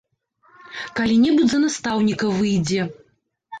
Калі-небудзь за настаўніка выйдзе.